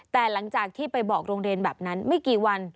แต่หลังจากที่ไปบอกโรงเรียนแบบนั้นไม่กี่วัน